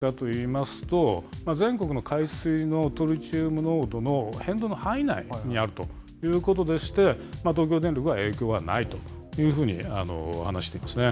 この１０ベクレルってどういう値かといいますと、全国の海水のトリチウム濃度の変動の範囲内にあるということでして、東京電力は影響はないというふうに話していますね。